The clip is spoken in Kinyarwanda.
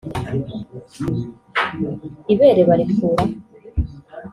ibere barikuraho